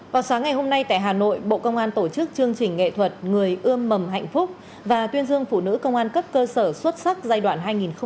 vào sáng ngày hôm nay tại hà nội bộ công an tổ chức chương trình nghệ thuật người ươm mầm hạnh phúc và tuyên dương phụ nữ công an cấp cơ sở xuất sắc giai đoạn hai nghìn một mươi ba hai nghìn hai mươi